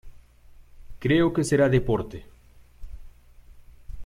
Creo que será deporte".